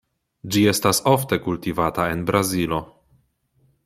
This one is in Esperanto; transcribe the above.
Ĝi estas ofte kultivata en Brazilo.